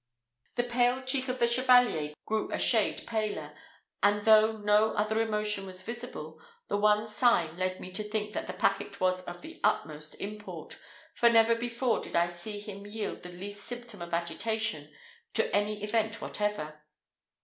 The pale cheek of the Chevalier grew a shade paler, and though no other emotion was visible, that one sign led me to think that the packet was of the utmost import, for never before did I see him yield the least symptom of agitation to any event whatever.